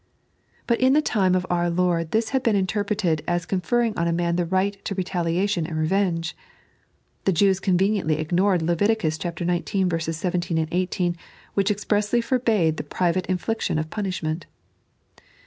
But in the time of our Lord this had been interpreted as con ferring on a man the right to retaliation and revenge. The Jews conveniently ignored Lev. xix. 17, 18, wbidi expressly forbade the private infliction of punishment.